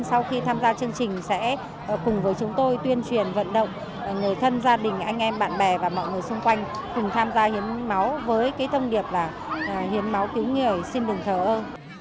sau khi tham gia chương trình sẽ cùng với chúng tôi tuyên truyền vận động người thân gia đình anh em bạn bè và mọi người xung quanh cùng tham gia hiến máu với cái thông điệp là hiến máu cứu người xin đừng thờ ơn